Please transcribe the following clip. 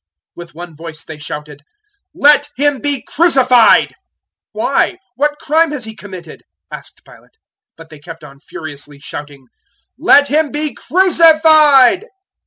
With one voice they shouted, "Let him be crucified!" 027:023 "Why, what crime has he committed?" asked Pilate. But they kept on furiously shouting, "Let him be crucified!"